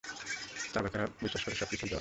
চার্বাকেরা বিশ্বাস করে, সব কিছুই জড়।